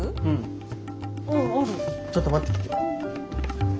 ちょっと持ってきて。